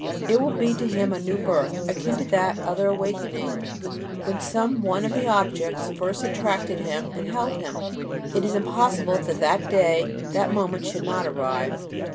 It will be to him a new birth, akin to that other awakening, when some one of the objects first attracted him and held him. It is impossible that that day, that moment, should not arrive.